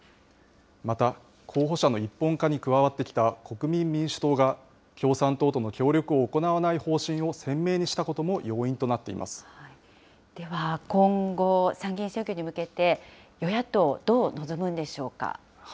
また、候補者の一本化に加わってきた、国民民主党が、共産党との協力を行わない方針を鮮明にしたことも要因となっていでは、今後、参議院選挙に向けて、与野党、どう臨むんでしょうか。